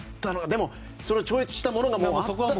でも、それを超越したものがあった？